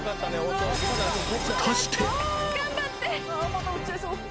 果たして。